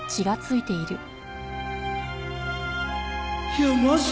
いやマジ？